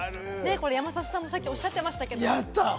山里さんも、さっきおっしゃってました。